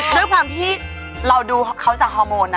ด้วยความที่เราดูเขาจากฮอร์โมนนะ